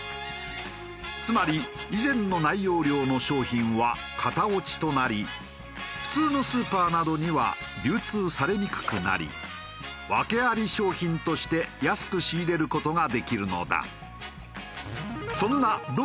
つまり以前の内容量の商品は型落ちとなり普通のスーパーなどには流通されにくくなり訳あり商品として安く仕入れる事ができるのだ。